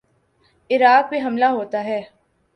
عراق پہ حملہ ہوتا ہے۔